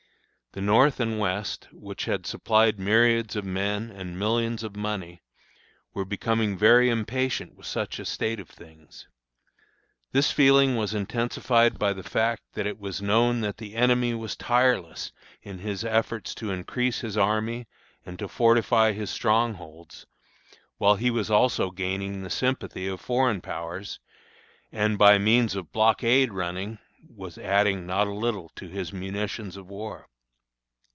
The North and West, which had supplied myriads of men and millions of money, were becoming very impatient with such a state of things. This feeling was intensified by the fact that it was known that the enemy was tireless in his efforts to increase his army and to fortify his strongholds, while he was also gaining the sympathy of foreign powers, and, by means of blockade running, was adding not a little to his munitions of war.